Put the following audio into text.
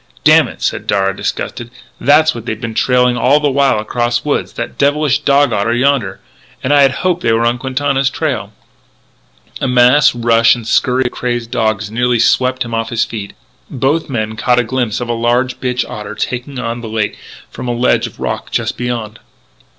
"Damn it," said Darragh, disgusted, " that's what they've been trailing all the while across woods, that devilish dog otter yonder.... And I had hoped they were on Quintana's trail " A mass rush and scurry of crazed dogs nearly swept him off his feet, and both men caught a glimpse of a large bitch otter taking to the lake from a ledge of rock just beyond.